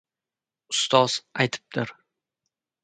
Ustod aytibdir;